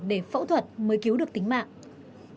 để phẫu thuật mới cứu được tính mạng